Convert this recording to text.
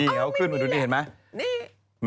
นี่เขาขึ้นมาดูนี่เห็นไหม